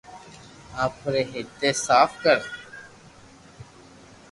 آپري ھردي صاف ڪر